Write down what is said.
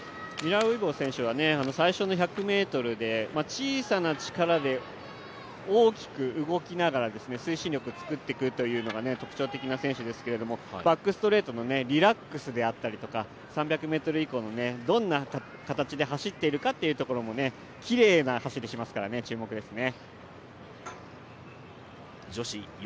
ミラー・ウイボ選手は最初の１００ｍで小さな力で大きく動きながら推進力つくっていくのが特徴的な選手ですけれども、バックストレートのリラックスであったりとか３００ｍ以降のどんな形で走っているかというのもきれいな走りをしますから、注目ですね。